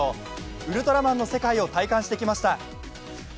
ウルトラマンの世界を体感してきました。